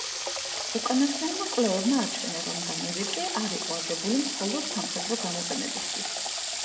უკანასკნელმა კვლევებმა აჩვენა, რომ დანევირკე არ იყო აგებული მხოლოდ სამხედრო გამოყენებისთვის.